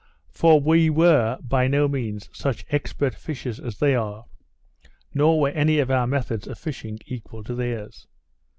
For we were, by no means, such expert fishers as they are; nor were any of our methods of fishing equal to theirs.